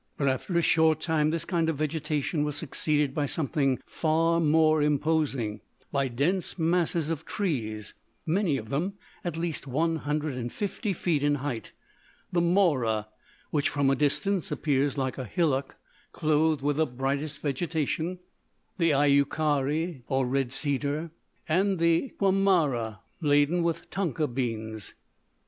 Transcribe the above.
But after a short time this kind of vegetation was succeeded by something far more imposing by dense masses of trees, many of them at the least one hundred and fifty feet in height: the mora, which from a distance appears like a hillock clothed with the brightest vegetation; the ayucari, or red cedar; and the cuamara, laden with tonka beans.